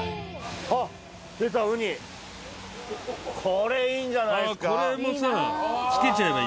これいいんじゃないっすか。